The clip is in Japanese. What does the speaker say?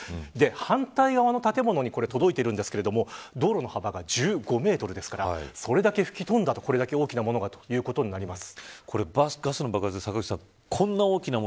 反対側の建物に届いているんですけども道路の幅が１５メートルですから大きなものがそれだけ吹き飛んだっていうことになります。